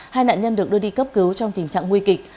hai nạn nhân được đưa đi cấp cứu trong tình trạng nguy kịch